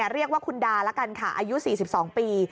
เรียกว่าคุณดาละกันค่ะอายุ๔๒ปี